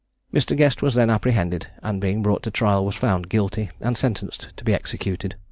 Mr. Guest was then apprehended, and being brought to trial, was found guilty, and sentenced to be executed.